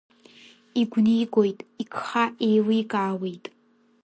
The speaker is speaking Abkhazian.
Игәнигоит, игха еиликаауеит.